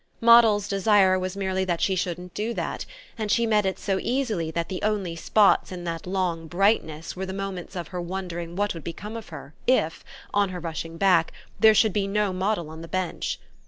Moddle's desire was merely that she shouldn't do that, and she met it so easily that the only spots in that long brightness were the moments of her wondering what would become of her if, on her rushing back, there should be no Moddle on the bench.